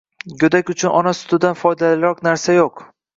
Go‘dak uchun ona sutidan foydaliroq narsa yo‘q.